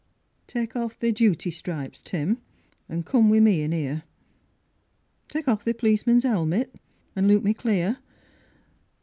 IX Take off thy duty stripes, Tim, An' come wi' me in here, Ta'e off thy p'lice man's helmet An' look me clear.